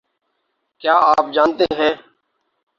کیا آپ جانتے ہیں